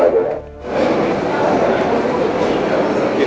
semua yang cemerit namu sendiri